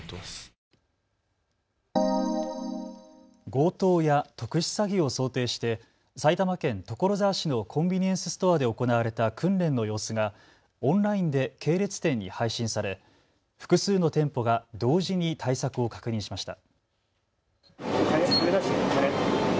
強盗や特殊詐欺を想定して埼玉県所沢市のコンビニエンスストアで行われた訓練の様子がオンラインで系列店に配信され複数の店舗が同時に対策を確認しました。